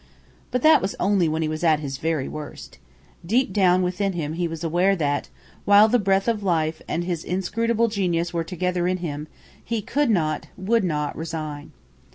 But that was only when he was at his very worst. Deep down within him he was aware that, while the breath of life and his inscrutable genius were together in him, he could not, would not, resign.